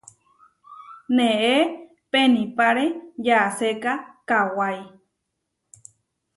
Neé penipáre yaséka kawái.